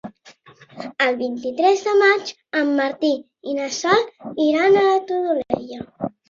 El vint-i-tres de maig en Martí i na Sol iran a la Todolella.